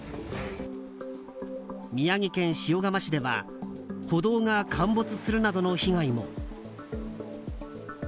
宮城県塩竈市では歩道が陥没するなどの被害も。